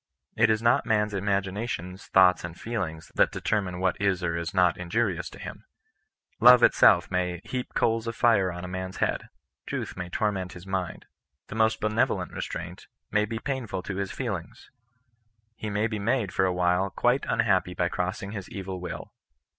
It is not man's imaginations, thoughts, and feelings, that determine what is or is not injurious to him. Love itself may ^ heap coals of fire on a man's head." Truth may torment lus mind. The most benevolent restraint may be painful to CH&ISTUN NOK EBSISTANOS. 9 kk feelings. He may be made, for a while, quite un hi^pj by crossing his evil will.